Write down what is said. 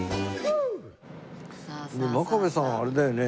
真壁さんはあれだよね。